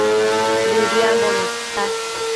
Bëdiambo nidta